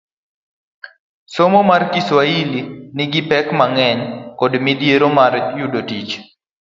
Somo mar Kiswahili nigi pek mang'eny kod midhiero mar yudo tich